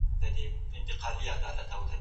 دا امکان هم لري، چي د خوب تعبير کوونکی ماهر نه وي.